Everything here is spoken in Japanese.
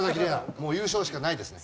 もう優勝しかないですね。